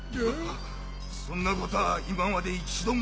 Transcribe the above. そんなことは今まで一度も。